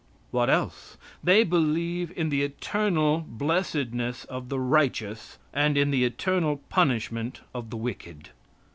What else? They believe in the eternal blessedness of the righteous, and in the eternal punishment of the wicked.